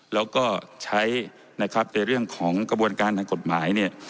แล้วก็ใช้ในเรื่องของกระบวนการทางกฎหมาย